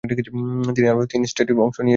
তিনি আরও তিন টেস্টে অংশ নিয়েছিলেন।